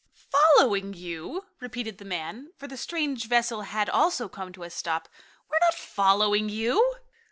"Following you?" repeated the man, for the strange vessel had also come to a stop. "We're not following you."